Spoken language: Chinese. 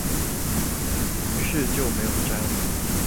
於是就没有摘